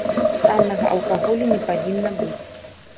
Таннага алкаголю не павінна быць.